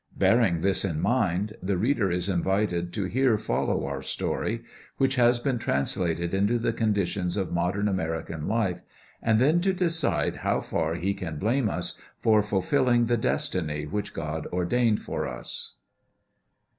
Bearing this in mind, the reader is invited to here follow our story, which has been translated into the conditions of modern American life, and then to decide how far he can blame us for fulfilling the destiny which God ordained for us.